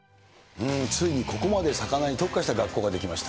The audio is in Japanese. ついにここまで魚に特化した学校が出来ました。